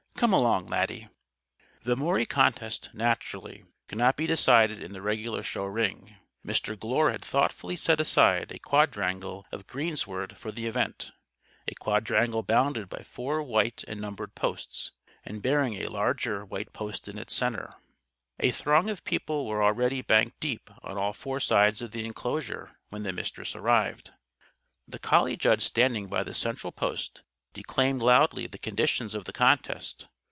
"Come along, Laddie!" The Maury contest, naturally, could not be decided in the regular show ring. Mr. Glure had thoughtfully set aside a quadrangle of greensward for the Event a quadrangle bounded by four white and numbered posts, and bearing a larger white post in its center. A throng of people was already banked deep on all four sides of the enclosure when the Mistress arrived. The collie judge standing by the central post declaimed loudly the conditions of the contest.